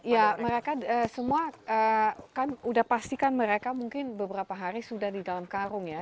ya mereka semua kan sudah pastikan mereka mungkin beberapa hari sudah di dalam karung ya